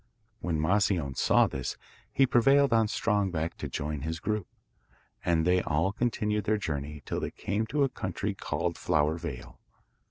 When Moscione saw this he prevailed on Strong Back to join his troop, and they all continued their journey till they came to a country called Flower Vale.